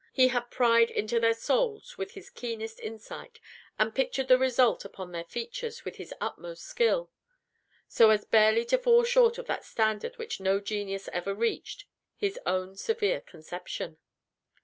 He had pried into their souls with his keenest insight, and pictured the result upon their features with his utmost skill, so as barely to fall short of that standard which no genius ever reached, his own severe conception.